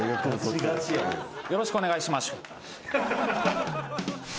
よろしくお願いしまシュッ。